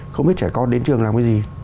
không biết trẻ con đến trường làm cái gì